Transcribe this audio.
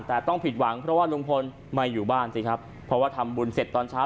แต่ต้องผิดหวังเพราะว่าลุงพลไม่อยู่บ้านสิครับเพราะว่าทำบุญเสร็จตอนเช้า